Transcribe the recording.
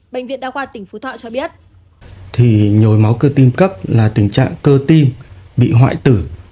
bệnh viện đa khoa tỉnh phú thọ cho biết